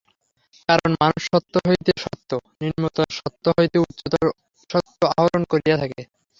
কারণ মানুষ সত্য হইতে সত্যে, নিম্নতর সত্য হইতে উচ্চতর সত্যে আরোহণ করিয়া থাকে।